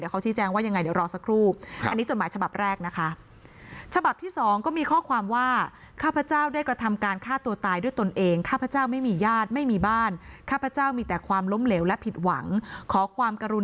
เดี๋ยวเขาชี้แจงว่าอย่างไรเดี๋ยวรอสักครู่